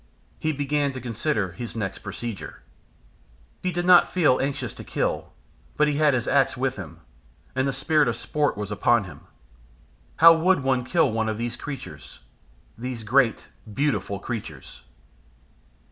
He began to consider his next procedure. He did not feel anxious to kill, but he had his axe with him, and the spirit of sport was upon him. How would one kill one of these creatures? these great beautiful creatures!